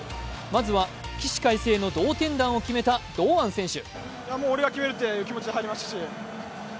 まずは起死回生の同点弾を決めた堂安選手。